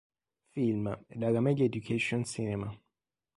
Film e della Media Education Cinema.